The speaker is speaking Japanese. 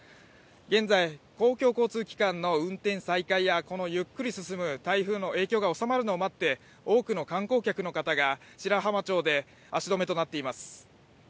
現在、公共交通機関の運転再開やゆっくり進む台風の様子を見て多くの観光客の方が白浜町で足止めとなっています。